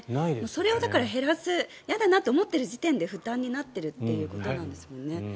それを減らすやだなと思ってる時点で負担になってるってことですもんね。